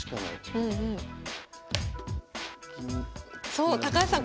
そう高橋さん